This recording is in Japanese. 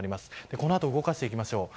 このあと動かしていきましょう。